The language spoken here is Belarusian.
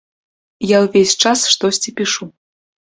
Я ўвесь час штосьці пішу.